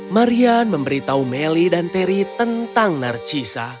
marian memberitahu melly dan terry tentang narcisa